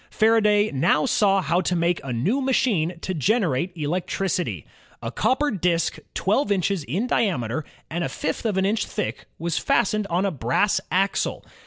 Faraday now saw how to make a new machine to gen erate electricity. A copper disk twelve inches in diameter and a fifth of an inch thick was fastened on a brass axle.